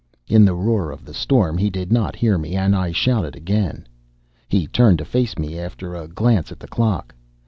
In the roar of the storm he did not hear me, and I shouted again. He turned to face me, after a glance at the clock.